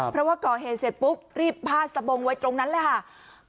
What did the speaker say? เพราะว่าก่อเหตุเสร็จปุ๊บรีบพาดสะบงไว้ตรงนั้นเลยค่ะ